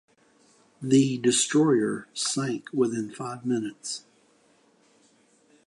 The destroyer sank within five minutes.